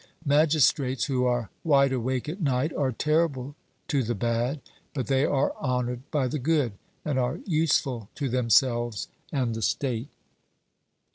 Magistrates who are wide awake at night are terrible to the bad; but they are honoured by the good, and are useful to themselves and the state.